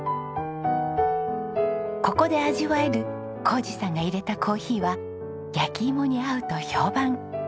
ここで味わえる宏二さんが入れたコーヒーは焼き芋に合うと評判。